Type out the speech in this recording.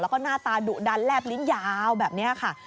แล้วก็หน้าตาดุดันแลบลิ้นยาวแบบนี้ค่ะ